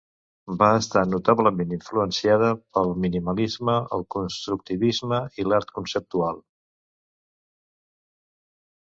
Va estar, notablement, influenciada pel minimalisme, el constructivisme i l'art conceptual.